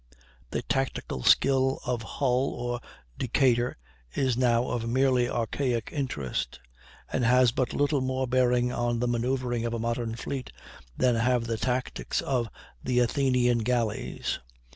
The tactical skill of Hull or Decatur is now of merely archaic interest, and has but little more bearing on the manoeuvring of a modern fleet than have the tactics of the Athenian gallies.